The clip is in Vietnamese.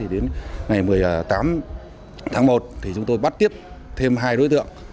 và tám tháng một thì chúng tôi bắt tiếp thêm hai đối tượng